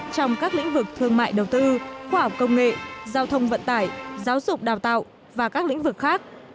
trong các lĩnh vực thương mại đầu tư khoa học công nghệ giao thông vận tải giáo dục đào tạo và các lĩnh vực khác